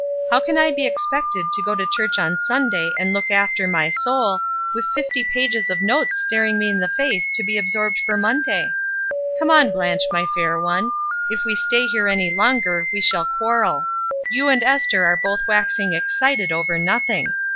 How can I be expected to go to church on Sunday and look after my soul, with fifty pages of notes staring me in the face to be absorbed for Monday? Come on, Blanche, my fair one ; if we stay here any longer, we shall quarrel. You and Esther are both waxing excited over nothing.